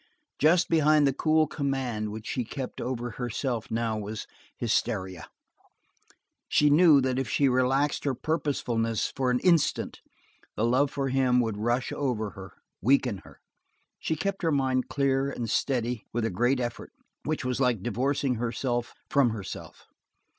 Just behind the cool command which she kept over herself now was hysteria. She knew that if she relaxed her purposefulness for an instant the love for him would rush over her, weaken her. She kept her mind clear and steady with a great effort which was like divorcing herself from herself.